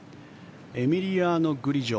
エミリアノ・グリジョ。